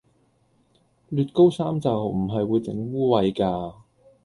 捋高衫袖唔係會整污穢㗎